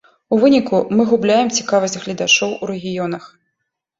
У выніку мы губляем цікавасць гледачоў у рэгіёнах.